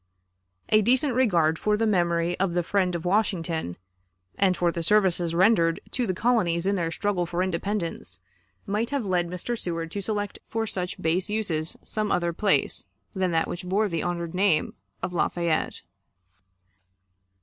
A decent regard for the memory of the friend of Washington, and for the services rendered to the colonies in their struggle for independence, might have led Mr. Seward to select for such base uses some other place than that which bore the honored name of Lafayette.